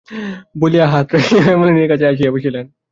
বলিয়া হাৎড়াইয়া হেমনলিনীর কাছে আসিয়া বসিলেন।